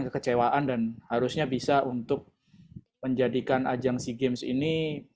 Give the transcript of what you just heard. kekecewaan dan harusnya bisa untuk menjadikan ajang sea games ini